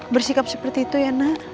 bersikap seperti itu ya nak